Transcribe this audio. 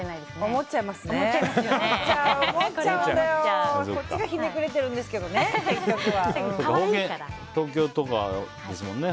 こっちがひねくれてるんですけど結局はね。